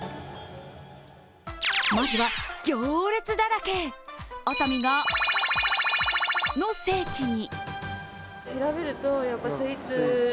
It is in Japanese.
まずは行列だらけ、熱海が○○の聖地に。